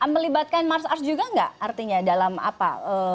melibatkan mars ars juga nggak artinya dalam apa